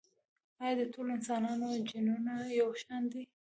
ایا د ټولو انسانانو جینونه یو شان دي؟